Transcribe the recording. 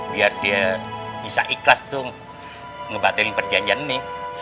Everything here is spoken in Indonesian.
biar dia bisa ikhlas tuh ngebatin perjanjian ini